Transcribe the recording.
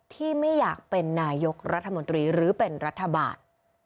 ที่ไม่อยากเป็นนายกรัฐมนตรีหรือเป็นรัฐบาล